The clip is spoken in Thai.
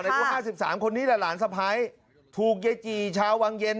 ในช่วง๕๓คนนี้หลานสภัยถูกยายจีเช้าวังเย็น